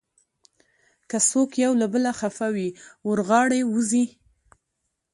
که څوک یو له بله خفه وي، ور غاړې وځئ.